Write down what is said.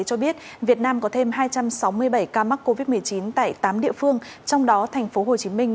cho biết việt nam có thêm hai trăm sáu mươi bảy ca mắc covid một mươi chín tại tám địa phương trong đó thành phố hồ chí minh